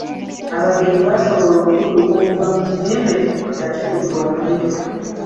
Abagenyi baasobola okudduka okuva mu kizimbe nga kikutte omuliro.